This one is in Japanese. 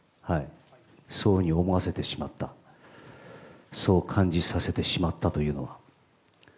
そういうふうに思わせてしまった、そう感じさせてしまったというのは。